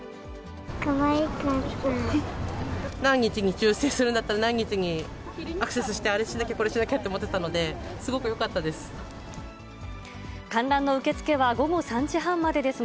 何日に抽せんするんだったら、何日にアクセスして、あれしなきゃこれしなきゃって思ってたので、すごくよかったです。